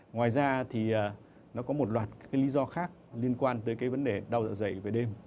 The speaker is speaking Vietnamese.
ngoài ra thì nó có một loạt cái lý do khác liên quan tới cái vấn đề đau dạ dày về đêm